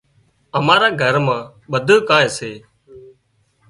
امارا گھر مان ٻڌونئي ڪانئن سي